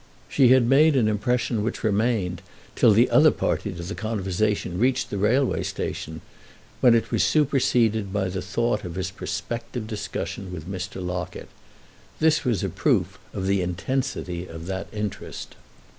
She had made an impression which remained till the other party to the conversation reached the railway station, when it was superseded by the thought of his prospective discussion with Mr. Locket. This was a proof of the intensity of that interest.